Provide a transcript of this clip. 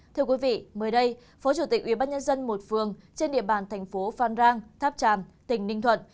thưa quý vị mới đây phó chủ tịch ubnd một phường trên địa bàn thành phố phan rang tháp tràm tỉnh ninh thuận